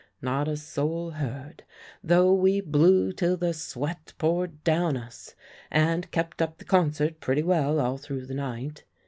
Not a soul heard, though we blew till the sweat poured down us, and kept up the concert pretty well all through the night.